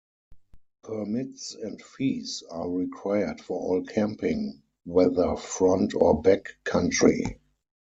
Permits and fees are required for all camping, whether front or back country.